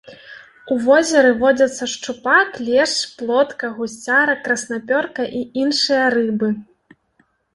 У возеры водзяцца шчупак, лешч, плотка, гусцяра, краснапёрка і іншыя рыбы.